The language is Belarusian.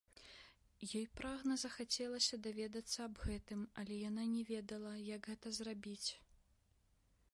Ёй прагна захацелася даведацца аб гэтым, але яна не ведала, як гэта зрабіць.